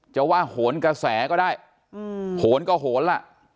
จะว่าโหนกระแสก็ได้โหนก็โหนล่ะ